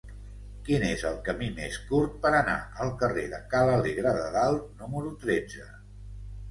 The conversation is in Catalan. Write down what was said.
Quin és el camí més curt per anar al carrer de Ca l'Alegre de Dalt número tretze?